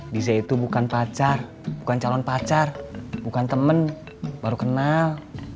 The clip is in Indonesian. diza itu bukan pacar bukan calon pacar bukan temen baru kenal